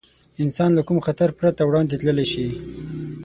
انسان له کوم خطر پرته وړاندې تللی شي.